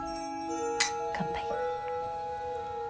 乾杯。